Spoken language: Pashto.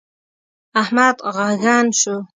احمد ږغن شو.